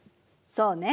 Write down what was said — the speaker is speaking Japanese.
そうね。